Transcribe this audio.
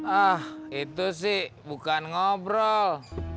ah itu sih bukan ngobrol